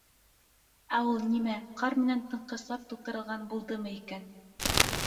— Ә ул, нимә, ҡар менән тыңҡыслап тултырылған булдымы икән?